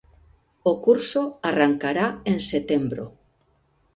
O curso arrancará en setembro.